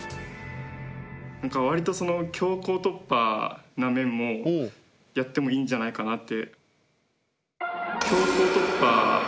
なんか割と強行突破な面もやってもいいんじゃないかなって。